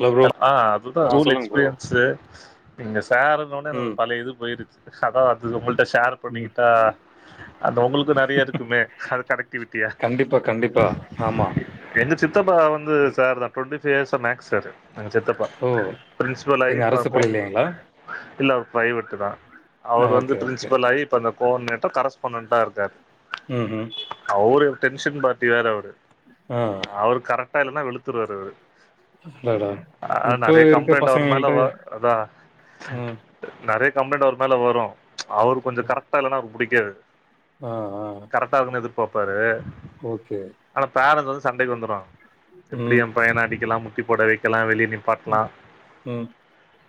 Hello bro ஹ அதுதா ஆ ஸ்கூல் சொல்லுங்க ப்ரோ எக்ஸ்பிரியன்ஸ் சேர் நீங்க சார்ருன்ன ஒன்னே ம் எனக்கு பழய இது போயிருச்சு அதா வந்து உங்ககிட்ட ஷேர் ம் பண்ணிக்கிட்டா அந்த உங்களுக்கு நறைய இருக்குமே அது கனெக்டிவிட்டியா இப்போ கண்டிப்பா ஆமா எங்க சித்தப்பா வந்து சார் தா டுவெண்ட்டி ஃபைவ் இயர்ஸ்ஸா மேக்ஸ் சார் நாங்க சித்தப்பா ஓ! பிரின்சிபல் ஆயி எங்க அரசு பாப்போ பள்ளியிலங்களா? இல்ல அவ பிரைவேட்டு தா அவர் வந்து ஓகே, ஓகே. பிரின்சிபல் ஆயி இப்பந்த கோர்டினேட்டர் கரஸ்பாண்டண்ட்டா இருக்காரு ம் ஹு அவரு டென்ஷன் பார்ட்டி வேற அவரு ம் அவர் கரெக்டா இல்லன்னா வெழுத்துருவாரு அவரு அட ஆ நெறைய கம்ப்ளைண்ட் அவர் மேல வ அதா ம், நெறைய கம்ளைண்ட் அவர் மேல வரு அவரு கொஞ்ச ம். கரெக்டா இல்லன்னா அவருக்கு புடிக்காது ஆ ஆ கரெக்ட்டா இருக்கணுன் எதிர்பாப்பாரு ஓகே ஆனா பேரன்ஸ் வந்து சண்டைக்கு வந்துருவாங்க எப்டி ம், ஏ பையனா அடிக்கலா முட்டி போட வைக்கலா வெளியே நிப் பாட்லா ம், ம்.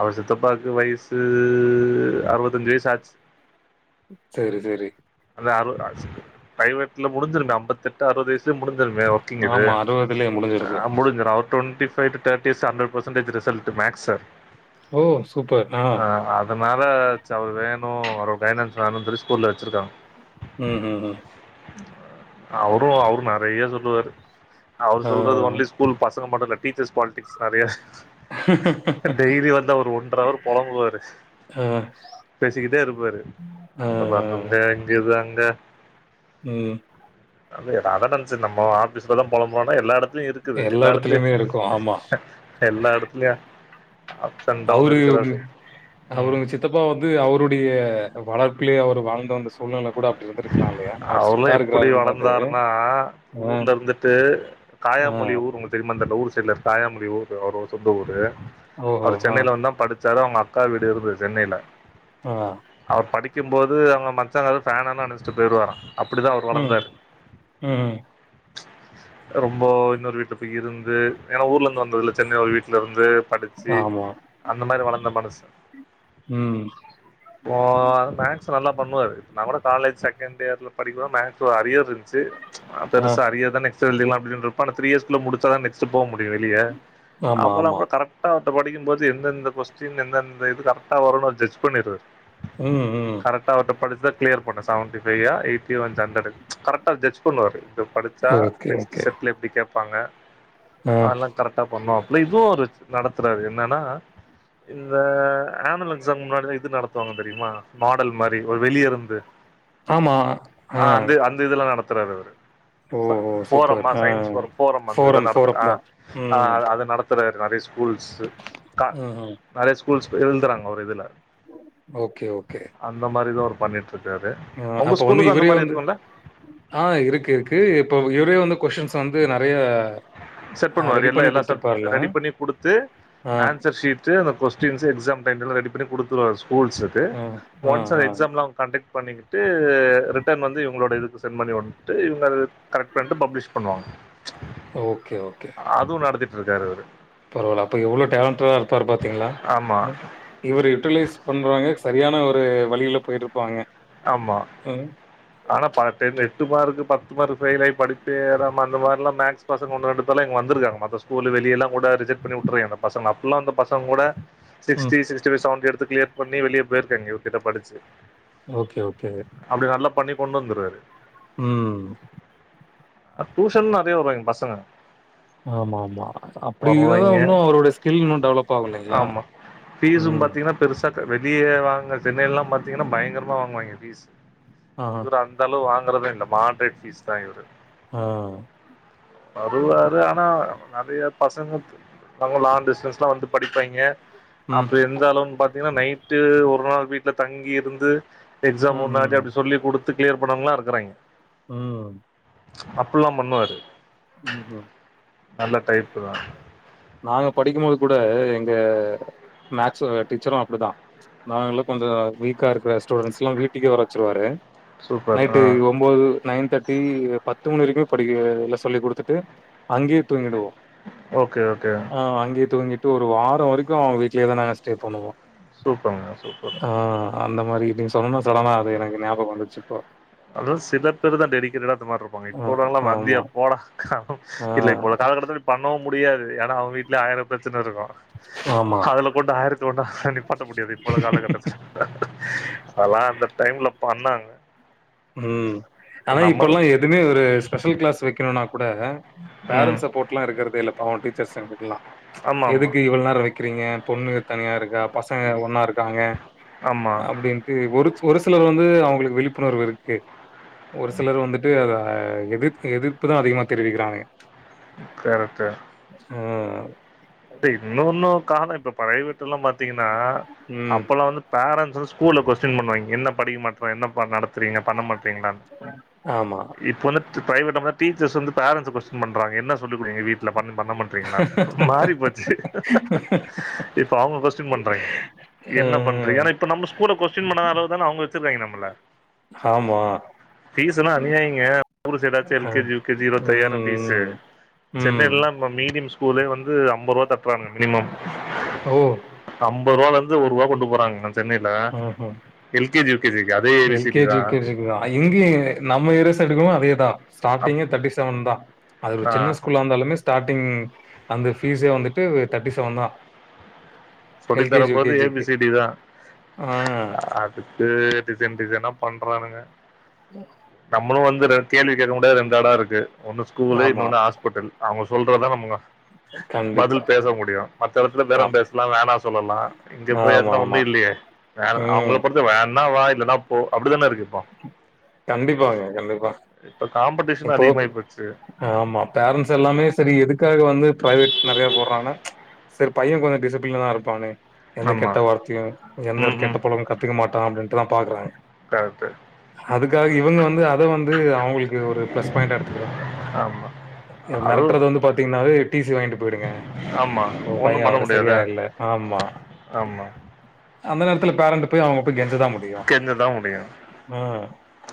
அவர் சித்தப்பாக்கு வயசு அறுவத்தஞ்சு வயசு ஆச்சு செரி செரி அந்த அறு பிரைவேட்ல முடிஞ்சிடுங்க அம்பத்தெட்டு அறுவது வயசுலயே முடிஞ்சிருமே ங்கது ஆமா முடிஞ்சிருக்கும். ஆ முடிஞ்சிரு அவர் டுவெண்டி போயிட்டு thirty years hundred percentage result maths sir ஓ சூப்பர் ஆ அதனால ச அவர் வேணு அவர் பைனன்ஸ் வேணுன்னு சொல்லி ஸ்கூல்ல வச்சிருக்காங்க ம் ம் ம் அவரும் அவரு நெறைய சொல்லுவாரு அவரு ஆ. சொல்றது ஒன்லி ஸ்கூல் பசங்க மட்டு இல்ல டீச்சர்ஸ் பாலிட்டிக்ஸ் நெறைய டெய்லி வந்து அவர் ஒன்ற அவர் பொழம்புவாரு ஆ, பேசிக்கிட்டே இருப்பாரு ஆ, அங்க பண்ணங்க ஆ. இங்க இது அங்க ம் அதே அதான் சார் நம்ம ஆஃபீஸ்ல தா பொழம்புவான்னா எல்லா எடத்துலயு இருக்கு இருக்குது எல்லா எடத்துலையு இடத்துலயுமே இருக்கும். ஆமா. எல்லா எடத்துலையு அவுரு ம் அவுரு உங்க சித் தப்பா வந்து அவருடைய வளர்ப்பிலே அவர் வாழ்ந்து வந்து சூழ்நில கூட அப்பிடி இருந்திருக்கலா இல்லையா அவர் அவர்லா ஸ்டிட்டா எப்டி இருக்கிறாரும் போது வளந்தாருன்னா ஆ ஊர்ல இருந்துட்டு ஆ. காயாமொழி ஊர் உங் தெரியுமா அந்தந்த ஊர் சைடுல தாயாமொழி ஊரு அவரோட சொந்த ஊரு ஓஹோ! அவர் ஆ, சென்னனயில வந்து தா படிச் சாதா அவுங்க அக்கா வீடு இருந்தது சென்னையில ஆ அவர் படிக்கும்போது அவுங்க மச்சா வந்து ஃபேன்லா அனச்சிட்டு போய்ருவாரா அப்டிதா அவர் ம், வளந்தாரு ம். ரொம்ப இன்னொரு வீட்டு போய் இருந்து ஏன்னா ஊர்ல இருந்து வந்ததுல சென்னை ஒரு வீட் ல இருந்து படிச்சு ஆமா. அந்த மாரி வளர்ந்த மனுசு ம். ஓ மேக்ஸ் நல்லா பண்ணுவாரு நா கூட காலேஜ் செகண்ட் இயர்ல படிக்கும்போது மேக்ஸ் ஒரு அரியர் இருந் குச்சி ஆ பெருசா அரியர் தா நெக்ஸ்ட்டு எழுதிக்கலா அப்டின் இருப்ப ஆனா த்ரீ இயர்ஸ்க்குள்ள முடிச்சாதா நெக்ஸ்ட்டு போ முடியு வெளிய ஆமா, அப்பல்லா ஆமா. அப்ப கரெட் டா படிக்கும்போது எந்தெந்த கொஸ்டின் எந்தெந்த இது கரெக்டா வரு ஒரு ஜட்ஜ் பண்ணிறது ம் ம் கரக்டா அவர்ட்ட படிச்சிதா கிளியர் பண்ண சேவன்டி ஃபைவ் யா எயிட்டி வஞ்சான்னு கேட்டார் கரக்டா ஜட் பண்ணுவாரு இப்டி படிச்சா ஓகே, நெக்ஸ்டு ஓகே. செட்ல எப்டி கேப்பாங்க ஆ. அதுலா கரக்டா பண்ணுவாப்புள்ளா இதுவு அவுரு நடத்துறாரு என்னனா இந்த ஆனுவல் எக்ஸாம் முன்னாடில்லா இது நடத்துவாங்க தெரியுமா மாடல் மாரி ஒரு வெளிய இருந் து ஆமா. ஆ அந்த அந்த இதுல்லா நடத்துறாரு அவரு ஓஹோ! சூப்பர். ஃபோரம்மா ஆ. சயின்ஸ் ஃபோரம் ஃபோரம்மா அந்த இத ஃபோரம், நடத்து ஃபோரம் ஆ தான். ஆ ம். அத நடத் நடத்துராரு நெறைய ஸ்கூல்ஸ் க ம்ஹ்ம். நெறைய ஸ்கூல்ஸ் எழுதுறாங்க ஒரு இதுல ஓகே, அந்த மாரி தா அவுரு பண்ணிட் இருக்காரு ஆ உங்க அப்ப வந்து ஸ்கூலுக்கு அந்த இவரே வந்து ஆ இருக்கு இருக்கு இப்ப இவரே வந்து கொஷின்ஸ் வந்து நெறைய செட் அ பண்ணுவாரு ரெடி எல்லா பண்ணி எல்லா செட் குடுத்திருப்பார்ல? ரெடி பண்ணி கொடுத்து ஆ, ஆன்சர் ஷீட்டு அந்த கொஸ்டின்ஸ் எக்ஸாம் டைம் டேபிள் லா ரெடி பண்ணி கொடுத்துருவாரு ஸ்கூல்ஸ்க்கு ஆ, ஆ, ஒன்ஸ் அந்த ஆ. எக்ஸாம்லா அவுங் கண்டக்ட் பண்ணிக்கிட்டு ரிட்டன் வந்து இவங்களோட இதுக்கு சென் பண்ணிவுடன்னு ட்டு இவங்க அத கரக்ட் பண்ணிட்டு பப்ளிஷ் பண்ணுவாங்க ஓக்கே ஓக்கே அது நடத்திட்டு இருக்காரு இவுரு பரவால்ல அப்ப எவ்ளோ டேலன்டா இருப்பாரு பாத்தீங்களா ஆமா இவரு யூட்டுலைஸ் பண்றவங்க சரியான ஒரு வழியில போயிட்டு இருப்பாங்க ஆமா ஆனா பட் எட்டு மார்க் பத்து மார்க் ஃபைலாயி படிப்பே ஏறமா அந்த மார்லா மேக்ஸ் பசங்க ஒன்னு ரெண்டு பேரலா இங்க வந்திருக்காங்க மத்த ஸ்கூலு வெளிய எல்லா கூட ரிஜாட் பண்ணி உட்டுறிங்க இந்த பசங்க அப்டில்லா வந்து பசங்க கூட ம். சிக்ஸ்டி சிக்ஸ்டி ஃபைவ் செவன்டி எடுத்து கிளியர் பண்ணி வெளிய போயிருக்காங்க இவருகிட்ட படிச்சி ஓக்கே ஓக்கே அப்டி நல்லா பண்ணி கொண்டு வந்துருவாரு ம் டியூஷன் நெறைய வருவாங்க பசங்க ஆம்மா ஆம்மா அப்டி இருந்துதா வருவாய்ங்க இன்னோ அவுரோடைய ஸ்கில் இன்னு டெவலப் ஆகுயில்லைங்களா ஃபிஷ் பாத்தீங்கன்னா பெருசா வெளிய வாங்க சென்னையில்லா பாத்தீங்கன்னா பயங்கரமா வாங்குவாங்க ஃபிஷ் ஆ இவர்ரு அந்தளவு வாங்குறது இல்ல மாட்ரேட் ஃபிஷ் தா இவரு ஆ வருவாரு ஆனா நெறைய பசங்க ரொம்ப லாங் டிஸ்டன்ஸ்லா வந்து படிப்பாங்க ம். அப்டியிருந்தாலு பாத்தீங்கன்னா நைட்டு ஒரு நாள் வீட்டுல தங்கி இருந்து எக்ஸாம் முன்னாடி ம்ஹ்ம். அப்டி சொல்லி கொடுத்து கிளியர் பண்ணவாங்கலா இருக்கிறாங்க ம் அப்டில்லா பண்ணுவாரு [unintelligible] நல்ல டைப்பு தா நாங்க படிக்கும் போது கூட எங்க மேக்சு டீச்சரு அப்டி தா நாங்க எல்லா கொஞ்ச வீக்கா இருக்குற ஸ்டுடென்ட்ஸ்ல்லா வீட்டுக்கே வர வச்சிருவாரு சூப்பர் நைட்டு ஆ ஒ ஒன்பது நைன் தேட்ர்டி அ பத்து மணி வரைக்கு படிக்கிறது எல்லா சொல்லி கொடுத்துட்டு அங்கயே தூங்கிடுவோ ஓகே ஓகே ஆ அங்கே தூங்கிட்டு ஒரு வார வரைக்கு வீட்லியேதான ஸ்டே பண்ணுவோ சூப்பருங்க சூப்பர் அ அந்த மாரி நீங்க சொன்னது சடனா அது எனக்கு ஞாபக வந்துச்சு இப்போ அத சில பேர்தா டெடிகேட்டடா அந்த மாரி இருப்பாங்க ஆ இப்போவுல்லாவங்லா வந்தியா ஆமா. போடா ஆ இல்ல இப்போ காலகட்டத்துல பண்ணவு முடியாது ஏன்னா அவுங்க வீட்ல ஆயரோ பிரச்சன இருக்கு ஆமா கொண்டா ஆய்ரத்த கொண்டா [unintelligible] பண்ண முடியாது இப்போல காலகட்டத் அதுல்லா அந்த டைம்ல பண்ணாங் ம் ஆனா நம்ம இப்பல்லா எதுமே இவரு ஸ்பெஷல் க்ளாஸ் வைக்கணுனா கூட ம் பேரண்ட்ஸ் சப்போர்ட்ல்லா இருக்றதே இல்ல பாவு டீச்சர்ஸ் எங்ளுக்குலா ஆமா ஆமா எதுக்கு இவ்ளோ நேரோ வ க்கிறீங்க பொண்ணு தனியா இருக்கா பசங்க ஒன்னா இருக்காங்க ஆமா அப்டின்னு ஒரு ஒரு சிலர் வந்து அவுங்களுக்கு விழிப்புணர்வு இருக்கு ஒரு சிலர் வந்துட்டு அத எதிர்பு எதிர்ப்புதா அதிகமா தெரிவிக்கிறாங்க கரெட்டு ம் இ இன்னொன்னு காரணோ இப்ப பிரைவேட்லல்லா பார்த்திங்கன்னா ம். அப்பல்லா வந்து பேரன்ட்ஸ் ஸ்கூல்ல கொஸ்டின் பன்னுவாங்க என்ன படிக்க மாட்ற என்ன நட ரீங்க பண்ண மாட்டீங்ளா ஆமா. இப்ப வந்து பிரைவேட்ல நம்ல டீச்சர்ஸ்ஸ வந்து பேரன்ட்ஸ கொஸ்டின் பண்றாங்க என்ன சொல்லிகுடுங்க வீட்ல பண்ண பண்ணமாட்ரீங்லானு போச்சு இப்ப அவுங்க கோஸ்ட்டீன் பண்றாங்க என்ன பண்ற அ ஏனா இப்ப நம்ம ஸ்கூல கொஸ்டின் பண்ணாத அளவு தான அவுங்க வச்ருக்காங்க நம்மள ஆமா பீஸ்ஸூ எல்லா அனியாயங்க ஊரு சைடாச்சு அ எல் கே ஜி யு கேஜஜி இருபத்தையாயிரோ ஃபீஸ்ஸூ ம், ம், ம். சென்னைல்லா ம மீடியம் ஸ்கூலே வந்து அம்பது ருவா தட்றாங்க மினிமம் ஓ! அம்பது ருவால இருந்து ஒரு ருவா கொண்டு போறாங்க சென்னைல ம்ஹ்ம். L K G U K G அதே ஏவி சிட்டி தா எர்யா இங்க நம்ம ஏர்யா சைடுக்கு அதேதா அப் ஸ்டாரிங்கே தேர்டி செவன் தா அது ஆ சின்ன ஸ்கூல் லா இருந்தாலுமே ஸ்டார்டிங் அந்த பீஸ்சே வந்துட்டு தேர்ட்டி செவன்தா சொல்லி தரபோறது ஏ பி சி டி தா அ அதுக்கு டிசைன் டிசைனா பண்றானுங்க ம் நம்மளு வந்து ரெ கேள்வி கேட்க முடியாது ரெண்டு எடோ இருக்கு ஒன்னு ஸ்கூல்லு ஆமா. இன்னொன்னு ஹாஸ்பிட்டல் அவுங்க சொல்றதா நம்ம கண்டிப்பா. பதில் பேச முடியு மத்த எடத்துல பேற அப் பேச்லா வேணா இங்க போய்யாச்சுனா ஒண்ணு ஆமாமா. இல்லையே வே அவுங்கள ம். பொறுத்த வேனா வா இல்லன்னா போ அப்டிதானே இருக்கு இப்போ கண்டிப்பாங்க கண்டிப்பா இப்ப காம்படிஷன் இப்போ அதிகமாயி போச்சு ஆமா பேரண்ட்ஸ் எல்லாமே சரி எதுக்காக வந்து பிரைவேட் நெறைய போட்றாங்க சரி பைய கொஞ்சோ டிசிப்ளினா இருப்பான்னே எந்த ஆமா கெட்ட வார்த்தையு எந்த ஒரு ம் கெட்ட ம் பழக்கமு கத்துக்க மாட்டா அப்படின்ட்டுதா பாக்குறாங்க கரைட்டு அதுக்காக இவுங்க வந்து அத வந்து அவுங்கள்க்கு ஒரு பிளஸ் பாயிண்ட்டா எடுத்துக்குறாங்க ஆமா அது மெரட்றது வந்து பாத்திங்ன்னாவே டீசி வாங்கிட்டு பொய்டுங்க ஆமா உங்க ஒண்ணும் பைய பண்ண சரியா முடியாது இல்ல ஆமா ஆமா அந்த நேரத்துல பேரண்ட் போய் அவுங்க போய் கெஞ்சதா முடியு கெஞ்தா முடியு ஆ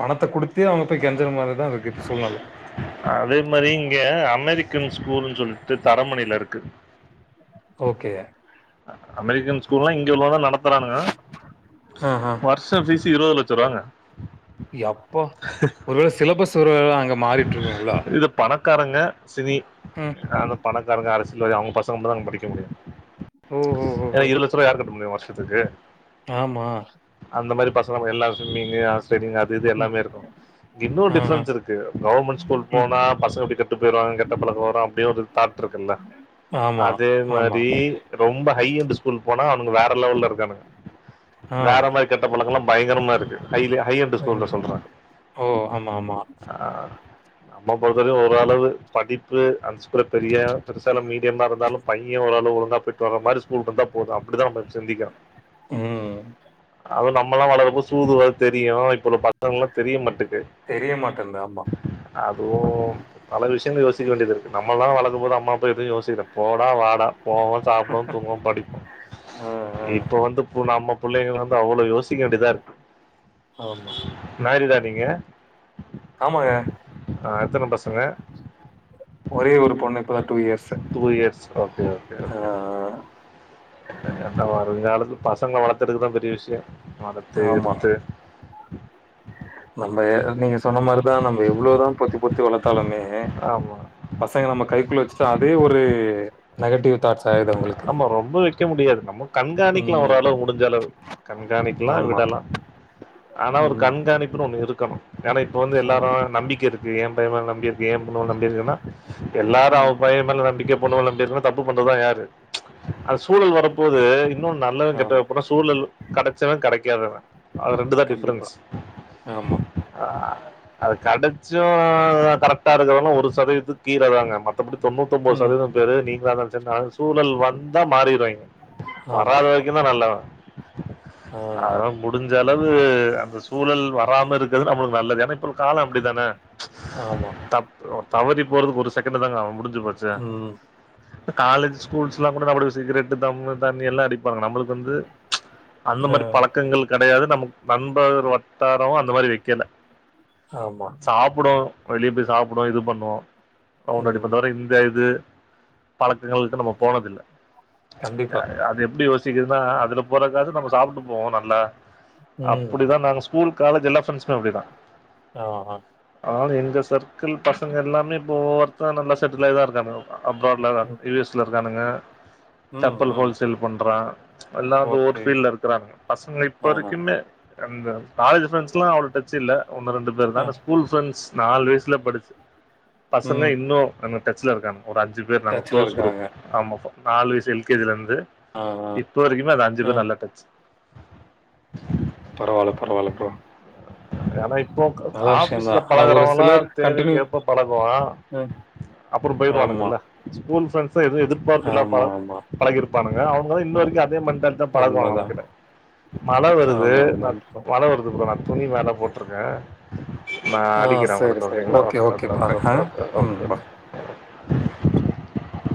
பணத்த குடுத்து அவங்க போய் கெஞ்சற மாரிதா இருக்கு இப்ப சூழ்நில அதே மாரி இங்க அமெரிக்கன் ஸ்கூல்ன் சொல்லிட்டு தரமணில இருக்கு ஓகே அமெரிக்கன் ஸ்கூல்லா இங்க கோட நடத்துறானுக ஆ ஆ வரு ஷ ஃபீஸ் இருவது லட்ச ருவாங்க யப்பா ஒருவேள சிலபஸ் ஒருவேள அங்க மாறிட்ருக்குங்ளா இது பணக்காரங்க சினி அது பணக்காரங்க அரசியல்வாதி அவங்க பசங்க மட்டுந்தா அங்க படிக்க முடியு ஓ ஓ ஓ ஏன்னா ஓ இருவது லட்சருவா யாரு கட்ட முடியு வருஷ த்துக்கு ஆமா அந்த மாரி பசங்க எல்லா ஸ்விம்மிங்கு ஹார்ஸ் ரைடிங் அது இது ம் எல்லாமே இருக்கு இன்னொரு ஆ ஆ டிஃபரென்ஸ் இருக் கு கவர்மெண்ட் ஸ்கூல் ம் போனா பசங்க எப்படி கெட்டு போய்டுவாங்க கெட்ட பழக்க வரு அப்படியு ஒரு தாட் இருக்குல்ல ஆமா அது ஆமா மாரி ரொம்ப ஹை என்டு ஸ்கூல் போனா அவனுங்க வேற லெவல்ல இருக்கானுக ஆ வேற மாரி கெட்ட பழக்க எல்லா பயங்கரமா இருக்கு ஹை ஹை எண்டு ஸ்கூல்ல ம். சொல்ற ஓ ஆமா ஆமா ஆ நம்ம பொறுத்தவரைக்கு ஒரு அளவு படி ப்பு அந்த ஸ்கூல பெரிய பெருசா இல்ல மீடியமா இருந்தாலு பைய ஓரளவு ஒழுங்கா போயிட் டு வர மாரி ஸ்கூல் இருந்தா போது அப்டிதா நம்ம சிந்திக்கிறோ ம் அது நம்மல்லா வளரும்போது சூது வாது தெரியு இப்ப உள்ள பசங்கல்லா தெரியமாட்டுக்கு தெரியமாட்டங்து ஆமா அதுவு பல விஷயங்கள யோசிக்க வேண்டியதிருக்கு நம்மல்லா வளக்கும் போது அம்மா அப்ப எதுவு யோசிக்கல போடா வாடா போவோ சாப்டுவோ தூங்குவோ படிப்போ அ, அ. இப்ப வந்து பு நம்ம புள்ளைங்க வந்து அவ்வளோ யோசிக்க வேண்டியதா இருக்கு ஆமா மேரிடா ஆமாங்க ஆ எத்தன பசங்க ஒரே ஒரு பொண்ணு இப்பதா two years two years okay ஆ ஆ என்ன வருங் காலத்துல பசங்கள வளத்தரதுதா பெரிய விஷய வளத்து ஆமா. எடுத்து நம்ம எ நீங்க சொன்ன மாரிதா நம்ம எவ்ளோதா பொத்தி பொத்தி வளத்தாலுமே ஆமா. பசங்க நம்ம கைக்குள்ள வச்சுட்டா அதே ஒரு நெகட்டிவ் தாட்ஸ் ஆயிடுது அவங்களுக்கு. ஆமா ரொம்ப வெக்க முடியாது நம்ம கண்காணிக்கலா ம். ஓரளவு முடிஞ்சளவு கண்காணிக்கலா ஆமா. விடலா ஆனா ஒரு ம். கண்காணிப்புனு ஒண்ணு இருக்கணு ஏன்னா இப்ப வந்து ஆ. எல்லாரு நம்பிக்க இருக் கு எம் பைய மேல நம்பிருக்கு எம் பொண்ணு மேல நம்பிருக்குன்னா எல்லாரு ம். அவ பைய மேல நம்பிக்கை பொண்ணு மேவ நம்பிருக்குன்னா தப் பு பண்றதுதா யாரு அந்த சூழல் வரப் போது இன்னு நல்லவ கெட்டவ ஆமா. அப்பினா சூழல் கெடச்சவ கெடைக்காதவ அது ரெண்டுதா கண்டிப்பா. டிஃப்ரென்ஸ் ஆமா. அ அது கெடச்சு கரெக்டா இருக்கிறவ ஒரு சதவீதத்து கீழ தாங்க மத்தபடி தொண்ணூத்தொம்போது ம். சதவீதம் பேரு நீங்களாதா அந் சூழல் வந்தா மாறிருவாங்க வராத ஆமாமா. வரைக்குந்தா நல்லவ ஆ. அதா முடிஞ்சளவு அந்த சூழல் வராம இருக்கது நம்மளுக்கு நல்லது ஏன்னா இப்ப கால அப்டி தானே ஆமா. தப் தவறி போறதுக்கு ஒரு செகண்ட் தாங்க ஆவு முடிஞ்சு போச்சு ம் இப்ப காலேஜ் ஸ்கூல்ஸ்லாம் கூட நம்மடது சிகரெட் தம்மு தண்ணி எல்லா அடிப்பானுங்க நம்மளுக் கு வந்து அந்த அ. மாரி பழக்கங்களுக் கெடையாது நமக் நண்பர் வட்டாரமு அந்த மாரி வைக்கல ஆமா புடு வெளிய போய் சாப்டு இது பண்ணு ரவுண்ட் ம். அடிப்போந்தவிர இந்த இது பழக்கங்களுக்கு நம்ம போனதில்ல ய கண்டிப்பா. அது எப்டி யோசிக்குதுன்னா அதுல போறதுக்காவது நம்ம சாப்ட்டு போவோ நல்லா ம். அப்புடிதா நாங்க ஸ்கூல் காலேஜ் எல்லா ஃப்ரெண்ட்ஸுமே அப்டிதா ஆ ஆ ஆனா எங்க சர்க்கிள் பசங்க எல்லாமே இப்ப ஒர்த்தா நல்லா செட்டில் ஆய் தா இருக்காங்க அப்ராட்ல தா ம். யு எஸ்ல இருக்கானுங்க ம், செப்பல் ம். ஹோல்சேல் பண்றா எல்லா வந்து ஒரு ஓகே ஃபீல்ட்ல இருக்கறானுங்க பசங்க இப்ப ஆஹா வரைக்குமே அந்த காலேஜ் ஃப்ரண்ட்ஸ்லா அவ்வளோ டச்சு இல்ல ஒன்னு ரெண்டு பேர் தா ஆ ஆனா ஸ்கூல் ஃப்ரண்ட்ஸ் நாலு வயசுல படிச் பசங்க ம் இன்னு நம்ம டச்ல இருக்கானுங்க ஒரு அஞ்சு பேர் நாங்க டச்ல க்ளோஸ் குரூப் இருக்காங்க. ஆமாபா நாலு வயசு எல் கே ஜிலருந்து ஆ ஆ இப்போ வரைக்குமே அது அஞ்சு ஆ பேர் நல்லா டச் பரவால பரவால ப்ரோ ஏனா இப்போ நல்ல விஷயந்தா. ஆபீஸ்ல ஆனா ஒரு பழகுறவன்ல்லா சிலர் கண்டினியூ தேவைக்கேற்ப பழகுவா ம் அப்புறோ ஆமா, போயிருவானுங்கல்ல ஸ்கூல் ஃப்ரண்ட்ஸ்லா எது எதிர் பார்ப்பு இல்லாம பழ ஆமா, ஆமா. பழகிருப்பானுங்க அவனுங்கதா இன்ன வரைக்கு அதே மார் தன் தா பழகுவா நம்ம உண்மதான். கிட்ட மழ வருது ஆமா, நா ஆமா ப்ரோ. மழ வருது ப்ரோ நா துணி மேல போட்ருக்கே நா ஆ அடிக்கிறே சரி, உங்களுக் சரி. ஓகேங்களா ஓகே ஓகே பாருங்க. ஓகே ஓ ஓ ம் ஓ பா ஓ